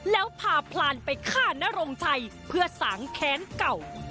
แล้วพาพลานไปฆ่านโรงชัยเพื่อสางแค้นเก่า